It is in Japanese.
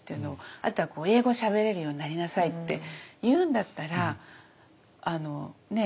あとは英語しゃべれるようになりなさいって言うんだったらあのねっ？